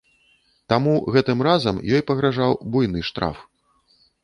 Таму гэтым разам ёй пагражаў буйны штраф.